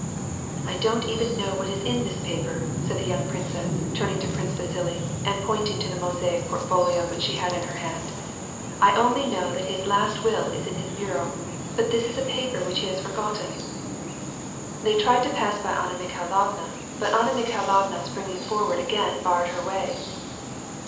" I don't even know what is in this paper," said the young princess, turning to Prince Vasili and pointing to the mosaic portfolio which she had in her hand, " I only know that his last will is in his bureau, but this is a paper which he has for gotten," She tried to pass by Anna Mikhailovna, but Anna Mikhai lovna springing forward again barred her way.